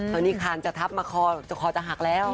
ตอนนี้คานจะทับมาคอจะคอจะหักแล้ว